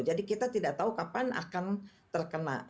jadi kita tidak tahu kapan akan terkena